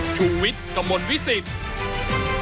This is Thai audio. ชูวิตตีแสดหน้า